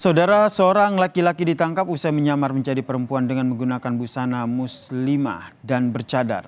saudara seorang laki laki ditangkap usai menyamar menjadi perempuan dengan menggunakan busana muslimah dan bercadar